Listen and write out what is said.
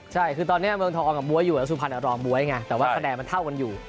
ใช่คือตอนนี้เมืองทองกับบ๊วยอยู่แล้วสุพรรณรองบ๊วยไงแต่ว่าคะแนนมันเท่ากันอยู่